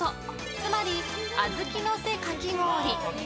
つまり小豆のせかき氷。